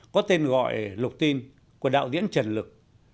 có tên gọi lục tin của đạo diễn trần lực